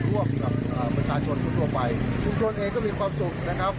ร่วมกับประชาชนทั่วไปทุกคนเองก็มีความสุขนะครับ